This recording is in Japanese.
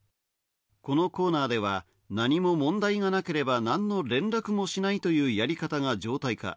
このコーナーでは何も問題がなければ何の連絡もしないというやり方が常態化。